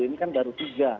ini kan baru tiga